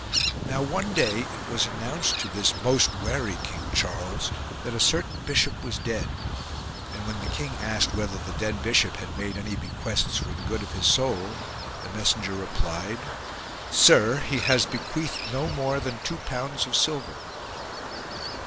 Now one day it was announced to this most wary King Charles that a certain bishop was dead ; and, when the king asked whether the dead bishop had made any bequests for the good of his soul, the messenger replied, " Sire, he has bequeathed no more than two pounds of silver."